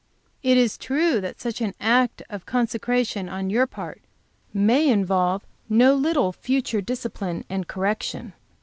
It is true that such an act of consecration on your part may involve no little future discipline and correction.